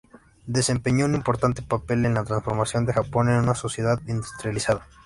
Desempeñó un importante papel en la transformación de Japón en una sociedad industrializada.